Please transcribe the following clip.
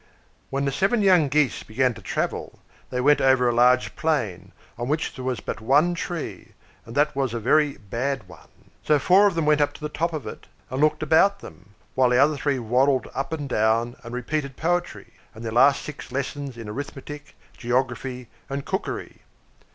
When the seven young Geese began to travel, they went over a large plain, on which there was but one tree, and that was, a very bad one. So four of them went up to the top of it, and looked about them; while the other three waddled up and down, and repeated poetry, and their last six lessons in arithmetic, geography, and cookery.